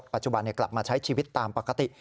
ปัจจุบันกลับมาใช้ชีวิตตามปกติ